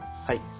はい。